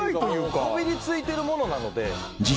こびりついてるものなので。